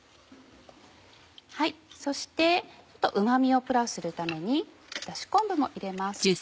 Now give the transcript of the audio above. そしてうま味をプラスするためにだし昆布も入れます。